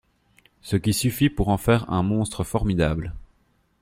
Ce qui suffit pour en faire un monstre formidable.